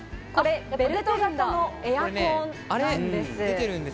ベルト型のエアコンなんです。